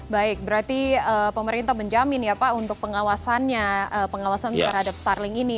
baik berarti pemerintah menjamin ya pak untuk pengawasannya pengawasan terhadap starling ini